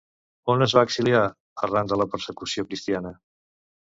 On es va exiliar arran de la persecució cristiana?